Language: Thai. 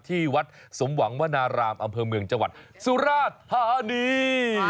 ที่วัดสมหวังวนารามอำเภอเมืองจังหวัดสุราชธานี